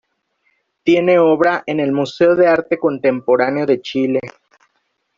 Tiene obra en el Museo de Arte Contemporáneo de Chile.